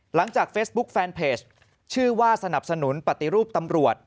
หลังจากเฟซบุ๊คแฟนเพจชื่อว่าสนับสนุนปฏิรูปตำรวจ